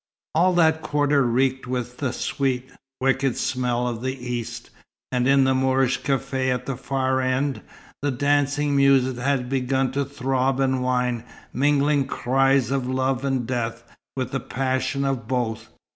All that quarter reeked with the sweet, wicked smell of the East; and in the Moorish café at the far end, the dancing music had begun to throb and whine, mingling cries of love and death, with the passion of both.